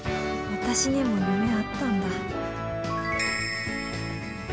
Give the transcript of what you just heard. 私にも夢あったんだ。